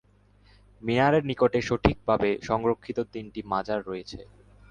মিনারের নিকটে সঠিকভাবে সংরক্ষিত তিনটি মাজার রয়েছে।